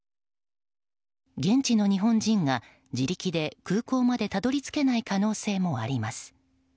現地の日本人が自力で空港までたどり着けない可能性もあります。